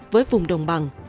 với vùng đồng bằng